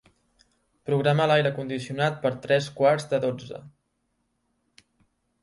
Programa l'aire condicionat per a tres quarts de dotze.